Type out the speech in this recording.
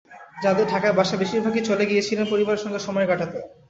যাঁদের ঢাকায় বাসা, বেশির ভাগই চলে গিয়েছিলেন পরিবারের সঙ্গে সময় কাটাতে।